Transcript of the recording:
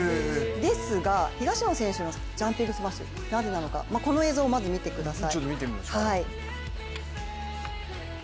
ですが、東野選手のジャンピングスマッシュ、なぜなのか、この映像を見てください。